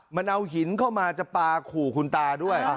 มันเอาหินเข้ามาจะปลาขู่คุณตาด้วย